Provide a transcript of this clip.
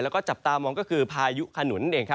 แล้วก็จับตามองก็คือพายุขนุนนั่นเอง